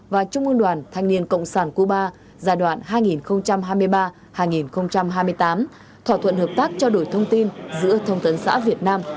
và trung ương đoàn thanh niên cộng sản cuba giai đoạn hai nghìn hai mươi ba hai nghìn hai mươi tám thỏa thuận hợp tác trao đổi thông tin giữa thông tấn xã việt nam